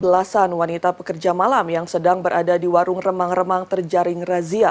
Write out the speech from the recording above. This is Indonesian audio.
belasan wanita pekerja malam yang sedang berada di warung remang remang terjaring razia